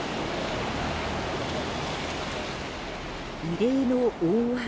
異例の大雨。